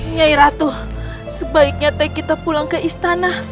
nyai ratu sebaiknya teh kita pulang ke istana